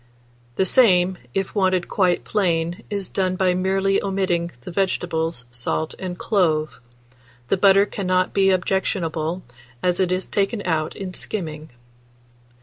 The same, if wanted quite plain, is done by merely omitting the vegetables, salt, and clove; the butter cannot be objectionable, as it is taken out in skimming.